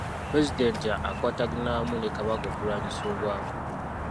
Pulezidenti akwataganira wamu ne Kabaka okulwanyisa obwavu.